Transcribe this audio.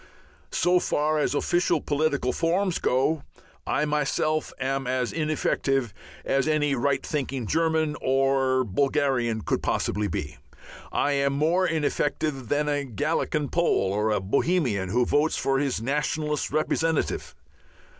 _" So far as official political forms go I myself am as ineffective as any right thinking German or Bulgarian could possibly be. I am more ineffective than a Galician Pole or a Bohemian who votes for his nationalist representative.